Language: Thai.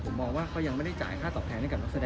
ผมมองว่าเขายังไม่ได้จ่ายค่าตอบแทนให้กับนักแสดง